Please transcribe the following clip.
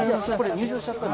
入場しちゃったので。